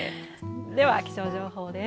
では気象情報です。